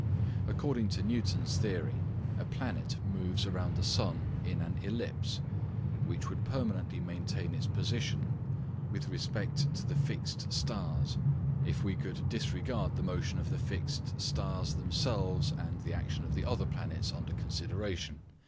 According to Newton's theory, a planet moves round the sun in an ellipse, which would permanently maintain its position with respect to the fixed stars, if we could disregard the motion of the fixed stars themselves and the action of the other planets under consideration.